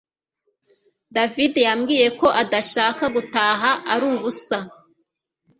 davide yambwiye ko adashaka gutaha ari ubusa